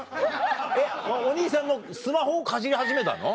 えっお兄さんのスマホをかじり始めたの？